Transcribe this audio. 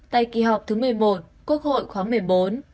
tại kỳ họp thứ một mươi một quốc hội khóa một mươi bốn